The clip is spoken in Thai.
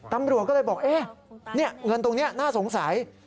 ตำรวจก็เลยบอกเงินตรงนี้น่าสงสัย